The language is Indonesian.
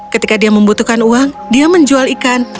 ketika dia membutuhkan uang dia menjual ikan